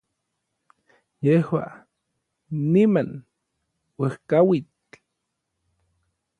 yejua, niman, uejkauitl